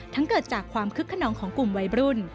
เกิดจากความคึกขนองของกลุ่มวัยรุ่น